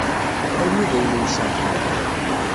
Armi d ayen uyseɣ-kem.